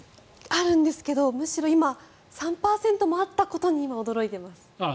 あるんですけどむしろ、３％もあったことに今、驚いています。